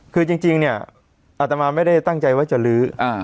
คือจริงเนี่ยอาตมาไม่ได้ตั้งใจว่าจะลื้อ